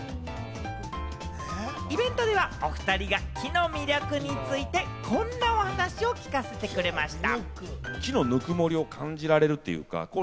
イベントでは、おふたりが木の魅力について、こんなお話を聞かせてくれました。